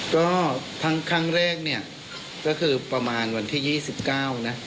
ก็ครั้งแรกเนี่ยก็คือประมาณวันที่ยี่สิบเก้านะ